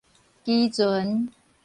期船